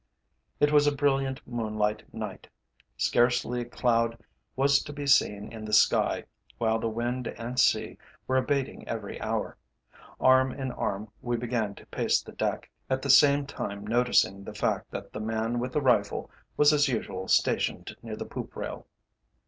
It was a brilliant moonlight night; scarcely a cloud was to be seen in the sky, while the wind and sea were abating every hour. Arm in arm we began to pace the deck, at the same time noticing the fact that the man with the rifle was as usual stationed near the poop rail.